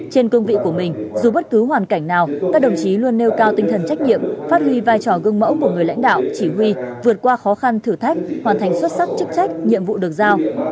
trên cương vị của mình dù bất cứ hoàn cảnh nào các đồng chí luôn nêu cao tinh thần trách nhiệm phát huy vai trò gương mẫu của người lãnh đạo chỉ huy vượt qua khó khăn thử thách hoàn thành xuất sắc chức trách nhiệm vụ được giao